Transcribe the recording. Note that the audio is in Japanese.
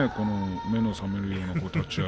目の覚めるような立ち合い。